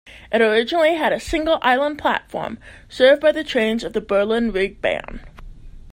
It originally had a single island platform, served by trains of the Berlin Ringbahn.